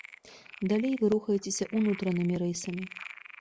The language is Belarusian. Далей вы рухаецеся ўнутранымі рэйсамі.